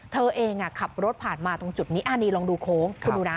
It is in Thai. เธอเองขับรถผ่านมาตรงจุดนี้อันนี้ลองดูโค้งคุณดูนะ